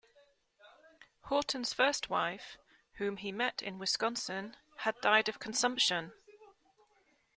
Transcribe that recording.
Horton's first wife, whom he met in Wisconsin, had died of consumption.